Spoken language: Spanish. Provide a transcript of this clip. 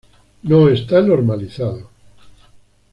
No está normalizado.